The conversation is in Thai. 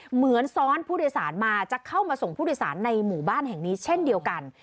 เหมือนซ้อนผู้โดยสารมาจะเข้ามาส่งผู้โดยสารในหมู่บ้านแห่งนี้เช่นเดียวกัน